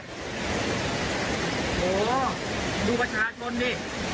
โอ้โหดูประชาชนดิ